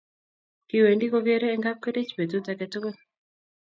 kiwendi kogeerei Eng' kapkerich betut age tugul.